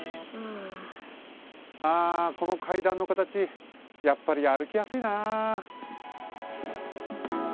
ああこの階段の形やっぱりあるきやすいな。